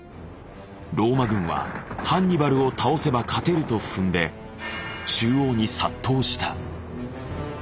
ローマ軍はハンニバルを倒せば勝てると踏んで中央に殺到した。